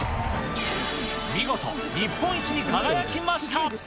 見事、日本一に輝きました。